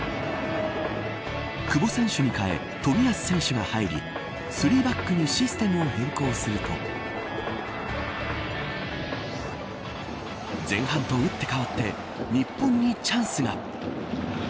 久保選手に代え冨安選手が入り３バックにシステムを変更すると前半とうって変わって日本にチャンスが。